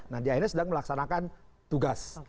nah dia ini sedang melaksanakan tugas